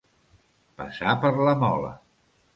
Passar per la mola.